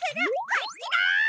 こっちだ！